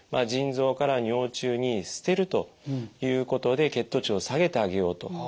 腎臓から尿中に捨てるということで血糖値を下げてあげようと。